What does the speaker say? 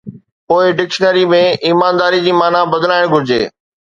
پوءِ ڊڪشنري ۾ ’ايمانداري‘ جي معنيٰ بدلائڻ گهرجي.